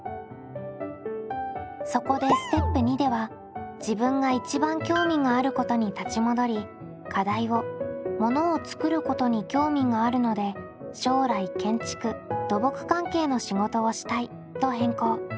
そこでステップ②では自分が一番興味があることに立ち戻り課題を「ものを作ることに興味があるので将来建築・土木関係の仕事をしたい」と変更。